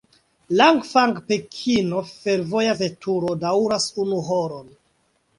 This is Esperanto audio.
Langfang-Pekino fervoja veturo daŭras unu horon.